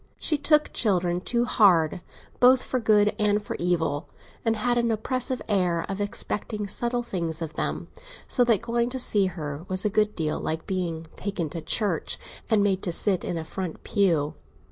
She took children too hard, both for good and for evil, and had an oppressive air of expecting subtle things of them, so that going to see her was a good deal like being taken to church and made to sit in a front pew.